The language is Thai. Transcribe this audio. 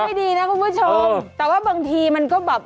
ไม่ดีนะคุณผู้ชมแต่ว่าบางทีมันก็แบบ